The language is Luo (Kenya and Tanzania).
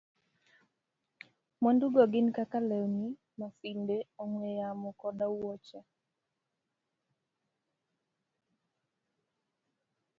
Mwandugo gin kaka lewni, masinde, ong'we yamo, koda wuoche.